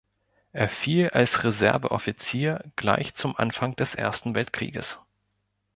Er fiel als Reserveoffizier gleich zum Anfang des Ersten Weltkrieges.